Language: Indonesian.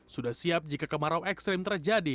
sudah siap jika kemarau ekstrim terjadi